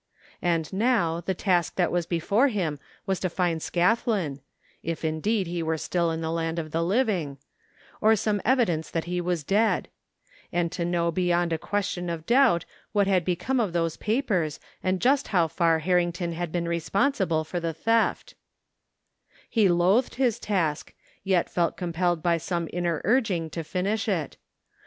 And now, the task that was before him was to find Scathlin — if, indeed, he were still in the land of the living— or some evidence that he was dead ; and to know beyond a question of doubt what had become of those papers, and just how far Harrington had been responsible for the theft He loathed his task, yet felt compelled by some inner urging to finish it.